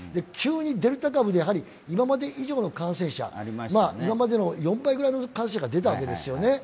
急にデルタ株で今まで以上の感染者、今までの４倍ぐらいの感染者が出たわけですよね。